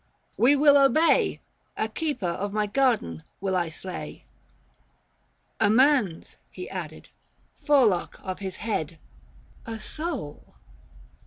—" W T e will obey ; A cepa of my garden will I slay." " A man's," he added. —" Forelock of his head." 365 " A soul."